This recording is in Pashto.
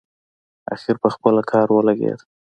اخر پخپله کاري ولګېد.